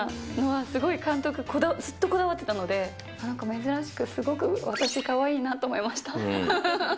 すごい監督、ずっとこだわっていたので、なんか珍しくすごく私、かわいいなと思いました。